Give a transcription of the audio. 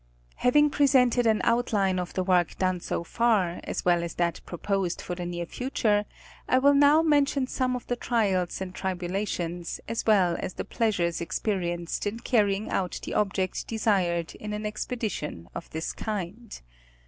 Having presented an outline of the work done so far, as well as that proposed for the near future, I will now mention some of the trials and tribulations, as well as the pleasures experienced in carrying out the object desired in an expedition of this kind.